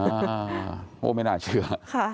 อ้าวโหไม่น่าเชื่อ